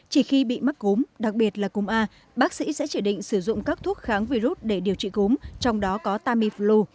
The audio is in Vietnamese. chỉ khi bị mắc cúm đặc biệt là cúm a bác sĩ sẽ chỉ định sử dụng các thuốc kháng virus để điều trị cúm trong đó có tamiflu